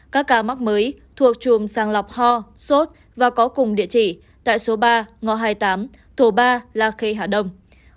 các ca mắc mới thuộc chùm sàng lọc ho sốt và có cùng địa chỉ tại số ba ngõ hai mươi tám thổ ba la khê hà đông